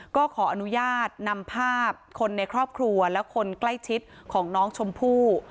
ก็ขออนุญาตนำภาพคนในครอบครัวและคนใกล้ชิดของน้องชมพู่